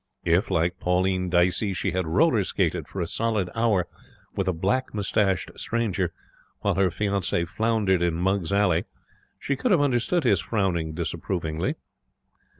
If, like Pauline Dicey, she had roller skated for a solid hour with a black moustached stranger while her fiance floundered in Mug's Alley she could have understood his frowning disapprovingly.